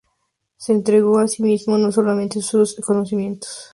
Se entregó a sí mismo, no solamente sus conocimientos.